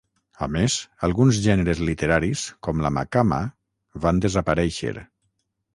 A més, alguns gèneres literaris, com la maqama, van desaparèixer.